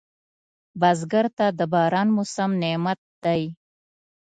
بزګر ته د باران موسم نعمت دی